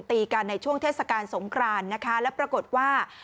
ตีกันในช่วงเทศกาลสงครานนะคะแล้วปรากฏว่า